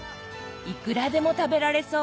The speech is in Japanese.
いくらでも食べられそう！